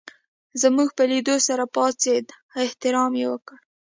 زموږ په لېدو سره پاڅېد احترام یې وکړ.